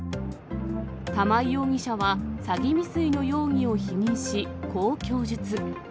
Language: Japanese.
玉井容疑者は詐欺未遂の容疑を否認し、こう供述。